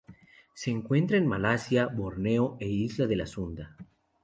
Se encuentra en Malasia Borneo e isla de la Sunda.